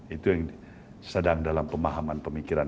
itu yang sedang dalam pemahaman pemikiran